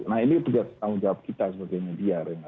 nah ini tugas tanggung jawab kita sebagai media rena